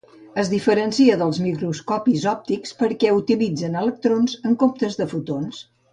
Es diferencia dels microscopis òptics perquè utilitzen electrons en comptes de fotons.